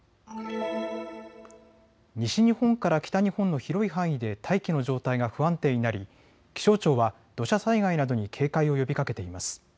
西日本から北日本の広い範囲で大気の状態が不安定になり気象庁は土砂災害などに警戒を呼びかけています。